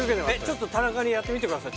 ちょっと田中にやってみてください